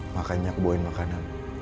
makanya kebawain makanan